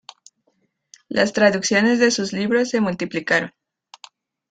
Las traducciones de sus libros se multiplicaron.